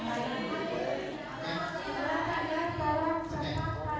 berarti ada tolong